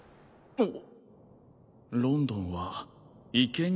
あっ！